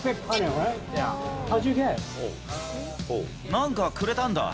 なんかくれたんだ。